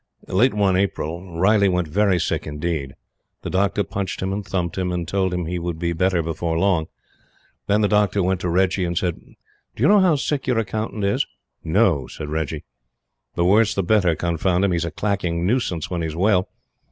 Late one April, Riley went very sick indeed. The doctor punched him and thumped him, and told him he would be better before long. Then the doctor went to Reggie and said: "Do you know how sick your Accountant is?" "No!" said Reggie "The worse the better, confound him! He's a clacking nuisance when he's well.